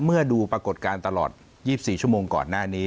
ดูปรากฏการณ์ตลอด๒๔ชั่วโมงก่อนหน้านี้